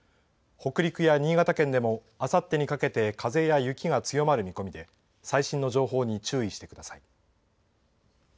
北陸や新潟県でもあさってにかけて風や雪が強まる見込みで最新の情報に注意してください。